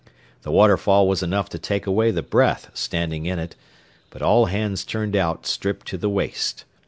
The waterfall was enough to take away the breath, standing in it, but all hands turned out stripped to the waist.